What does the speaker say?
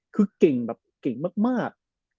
คือเก่งแบบเก่งมาก